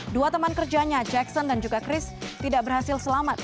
dua teman kerjanya jackson dan juga chris tidak berhasil selamat